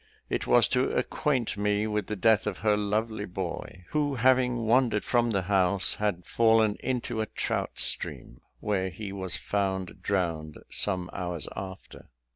It was to acquaint me with the death of her lovely boy, who, having wandered from the house, had fallen into a trout stream, where he was found drowned some hours after.